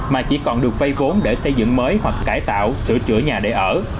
mà chỉ còn được vay vốn để xây dựng mới hoặc cải tạo sửa chữa nhà để ở